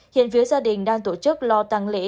hiện phía gia đình đang tổ chức lo tăng lễ